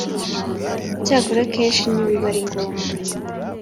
icyakora akenshi ntibiba ari ngombwa